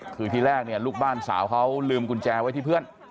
คือที่แรกเนี่ยลูกบ้านสาวเขาลืมกุญแจไว้ที่เพื่อน